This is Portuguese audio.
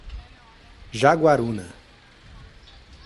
Jaguaruna